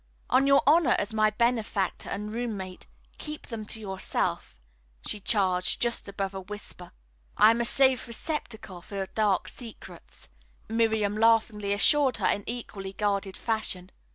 "On your honor as my benefactor and roommate, keep them to yourself," she charged, just above a whisper. "I am a safe receptacle for dark secrets," Miriam laughingly assured her in equally guarded fashion.